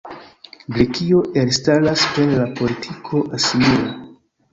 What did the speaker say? Grekio elstaras per la politiko asimila.